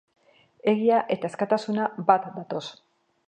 Egia eta askatasuna bat datoz.